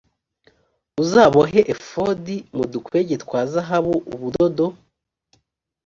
uzabohe efodi mu dukwege twa zahabu ubudodo